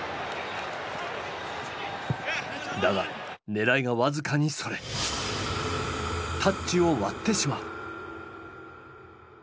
だが狙いが僅かにそれタッチを割ってしまう。